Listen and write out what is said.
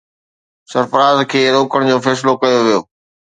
سرفراز کي روڪڻ جو فيصلو ڪيو ويو.